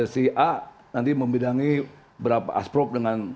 si a nanti memidangi berapa asprog dengan